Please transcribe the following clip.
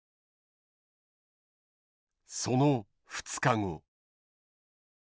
その２日後。